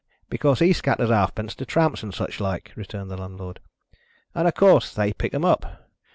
"Because he scatters halfpence to Tramps and such like," returned the Landlord, "and of course they pick 'em up.